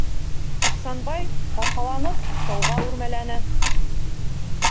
- Ихсанбай, ҡарһаланып, тауға үрмәләне.